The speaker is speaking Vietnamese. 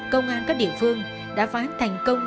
công an các địa phương đã phán thành công